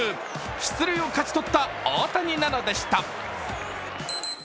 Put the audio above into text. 出塁をかち取った大谷なのでした。